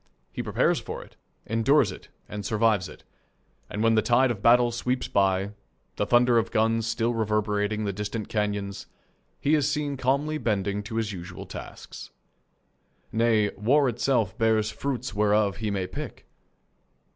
He prepares for it, endures it, and survives it, and when the tide of battle sweeps by, the thunder of the guns still reverberating in the distant canyons, he is seen calmly bending to his usual tasks. Nay, war itself bears fruits whereof he may pick.